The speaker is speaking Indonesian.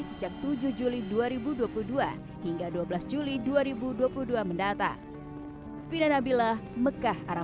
sejak tujuh juli dua ribu dua puluh dua hingga dua belas juli dua ribu dua puluh dua mendatang